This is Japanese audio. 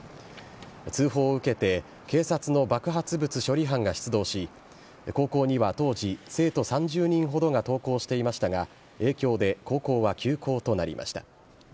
通報を受けて警察の爆発物処理班が出動し高校には当時、生徒３０人ほどが登校していましたが影響で高校は休校となりました。